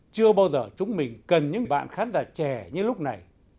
chưa bao giờ chúng mình cần những bạn khán giả trẻ như lúc này